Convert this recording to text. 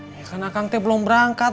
ya kan akang teh belum berangkat